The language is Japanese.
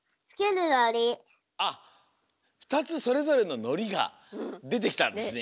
あっふたつそれぞれののりがでてきたんですね。